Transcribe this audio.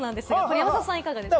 山里さん、いかがですか？